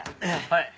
はい。